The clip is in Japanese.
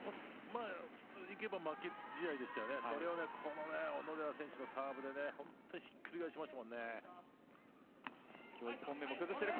普通にいけば負け試合でしたが小野寺選手のサーブで本当にひっくり返しました。